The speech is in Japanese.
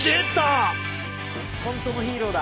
本当のヒーローだ！